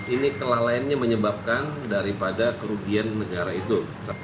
ini kelalaiannya menyebabkan daripada kerugian negara itu